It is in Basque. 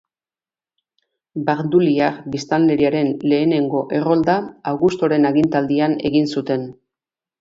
Barduliar biztanleriaren lehenengo errolda Augustoren agintaldian egin zuten.